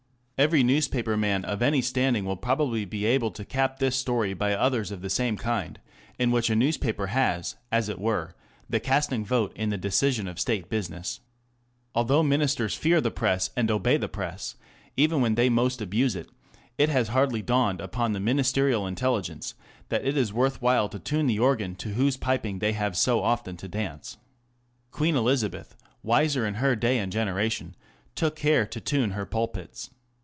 Every newspaper man of any standing will probably be able to cap this story by others of the same kind, in which a newspaper has, as it were, the casting vote in the decision of State business. Although Ministers fear the Press and obey the Press, even when they most abuse it, it has hardly dawned upon the Ministerial intelligence that it is worth while to tune the organ to whose piping _they have so often to dance. Queen Elizabeth, wiser in her day and generation, took care to tune her pulpits.